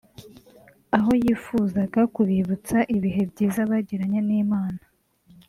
aho yifuzaga kubibutsa ibihe byiza bagiranye n'Imana